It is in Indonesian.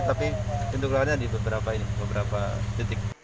tapi pintu keluarnya di beberapa titik